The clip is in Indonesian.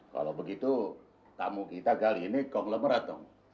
kalau begitu tamu kita kali ini kong lemerat dong